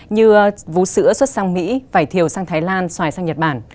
như vú sữa xuất sang mỹ vải thiều sang thái lan xoài sang nhật bản